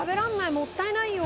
もったいないよ！